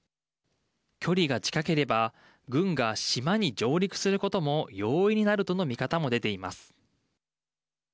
距離が近ければ軍が島に上陸することも容易になるとの見方も出ています。